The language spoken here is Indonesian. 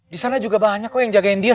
disana juga banyak kok yang jagain dia